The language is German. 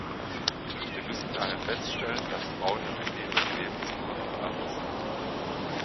Wir müssen daher feststellen, dass Frauen am Ende ihres Lebens immer noch ärmer sind.